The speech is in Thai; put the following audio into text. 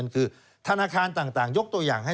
คือธนาคารต่างยกตัวอย่างให้